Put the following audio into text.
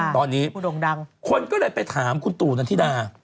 ตอนนี้คนก็เลยไปถามคุณตู่นันทิดา